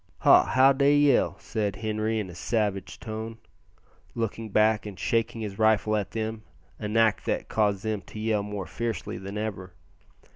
"Ha! how dey yell," said Henri in a savage tone, looking back, and shaking his rifle at them, an act that caused them to yell more fiercely than ever.